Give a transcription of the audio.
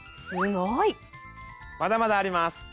すごい！まだまだあります！